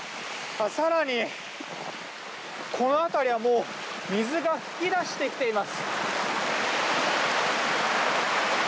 更に、この辺りはもう水が噴き出してきています。